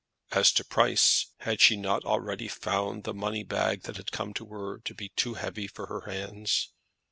As to price,; had she not already found the money bag that had come to her to be too heavy for her hands?